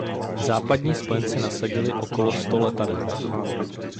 Západní spojenci nasadili okolo sto letadel.